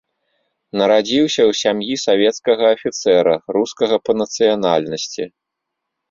Нарадзіўся ў сям'і савецкага афіцэра, рускага па нацыянальнасці.